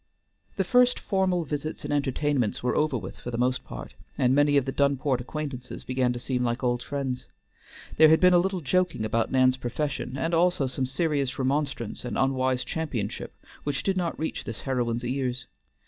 The first formal visits and entertainments were over with for the most part, and many of the Dunport acquaintances began to seem like old friends. There had been a little joking about Nan's profession, and also some serious remonstrance and unwise championship which did not reach this heroine's ears.